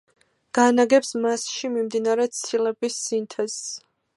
განაგებს მასში მიმდინარე ცილების სინთეზს.